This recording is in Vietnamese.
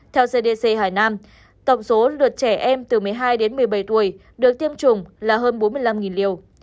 theo cdc hải nam tổng số lượt trẻ em từ một mươi hai đến một mươi bảy tuổi được tiêm chủng là hơn bốn mươi năm liều